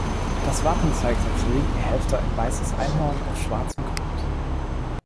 Das Wappen zeigt auf der linken Hälfte ein weißes Einhorn auf schwarzem Grund.